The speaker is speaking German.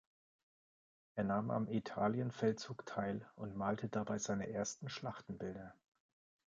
Er nahm am Italienfeldzug teil und malte dabei seine ersten Schlachtenbilder.